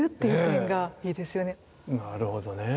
なるほどね。